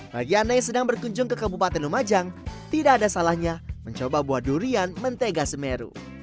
bagi anda yang sedang berkunjung ke kabupaten lumajang tidak ada salahnya mencoba buah durian mentega semeru